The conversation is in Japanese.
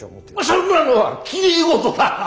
そんなのはきれい事だ！